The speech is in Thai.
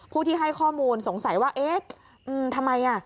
ผู้ที่ให้ข้อมูลสงสัยว่าเอ๊ะทำไม